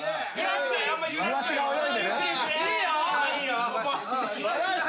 イワシが泳いでる？